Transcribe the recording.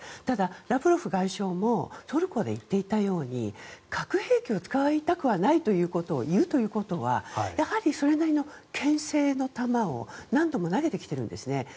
ただ、ラブロフ外相もトルコで言っていたように核兵器を使いたくはないということを言うということはやはりそれなりのけん制の球を何度も投げてきているんですね。